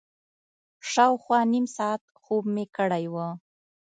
شاوخوا نیم ساعت خوب مې کړی و.